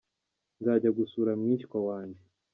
Nzajya gusura mwishya wanjye.